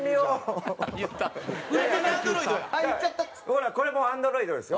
ほらこれもアンドロイドですよ。